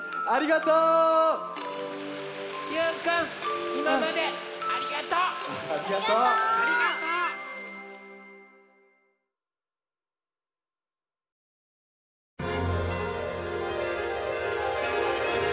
ありがとう！